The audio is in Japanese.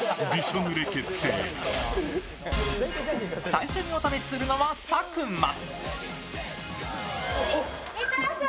最初にお試しするのは佐久間。